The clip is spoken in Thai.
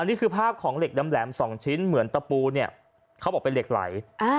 นี่คือภาพของเหล็กแหลมสองชิ้นเหมือนตะปูเนี่ยเขาบอกเป็นเหล็กไหล